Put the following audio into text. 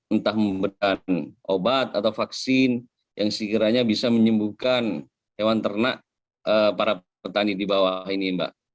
entah memberikan obat atau vaksin yang sekiranya bisa menyembuhkan hewan ternak para petani di bawah ini mbak